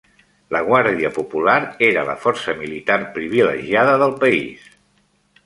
La Guàrdia Popular era la força militar privilegiada del país.